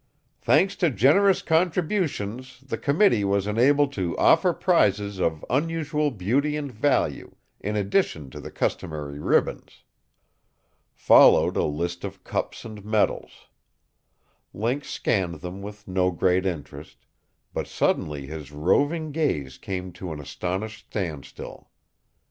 "Thanks to generous contributions, the committee was enabled to offer prizes of unusual beauty and value, in addition to the customary ribbons." Followed a list of cups and medals. Link scanned them with no great interest, But suddenly his roving gaze came to an astonished standstill.